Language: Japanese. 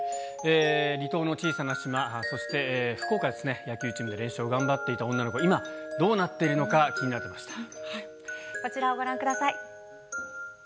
離島の小さな島、そして福岡で、野球チームの練習を頑張っていた女の子、今、どうなっているのか、こちらをご覧ください。